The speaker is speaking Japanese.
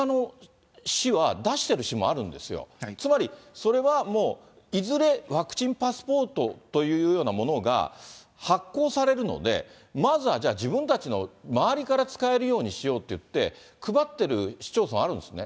それはもういずれワクチンパスポートというようなものが発行されるので、まずはじゃあ、自分たちの周りから使えるようにしようっていって、配ってる市町村あるんですね。